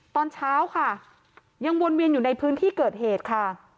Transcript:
ตอนเช้าค่ะยังวนเวียนอยู่ในพื้นที่เกิดเหตุค่ะ